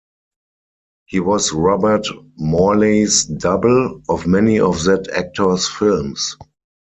He was Robert Morley's double on many of that actor's films.